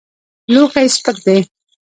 لوښی سپک دی.